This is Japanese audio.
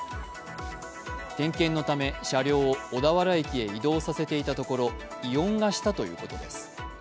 点検のため車両を小田原駅へ移動させていたところ異音がしたということです。